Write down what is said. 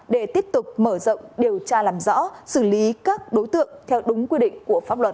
để tiếp tục mở rộng điều tra làm rõ xử lý các đối tượng theo đúng quy định của pháp luật